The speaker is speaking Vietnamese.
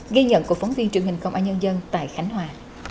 ghi nhận của phóng viên truyền hình công an nhân dân tại khánh hòa